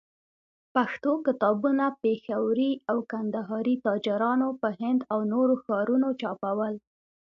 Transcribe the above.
پښتو کتابونه، پېښوري او کندهاري تاجرانو په هند او نورو ښارو چاپول.